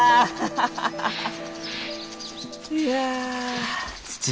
いや。